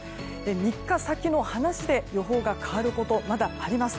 ３日先の話で、予報が変わることがまだあります。